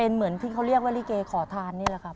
เหมือนที่เขาเรียกว่าลิเกขอทานนี่แหละครับ